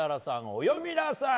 お詠みなさい！